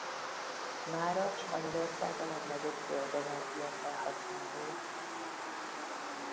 Mára Spanyolország a legnagyobb zöldenergia-felhasználó.